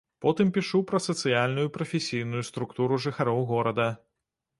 Потым пішу пра сацыяльную, прафесійную структуру жыхароў горада.